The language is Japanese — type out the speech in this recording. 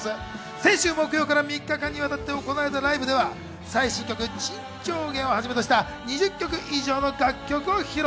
先週木曜から三日間にわたって行われたライブでは最新曲『沈丁花』をはじめとした２０曲以上の楽曲を披露。